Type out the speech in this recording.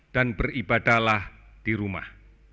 dan beribadahlah di rumah